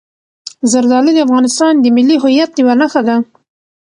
زردالو د افغانستان د ملي هویت یوه نښه ده.